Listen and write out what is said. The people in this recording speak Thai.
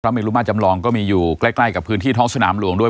พร้อมให้รู้มากจำลองก็มีอยู่ใกล้กับพื้นที่ท้องสนามหลวงด้วย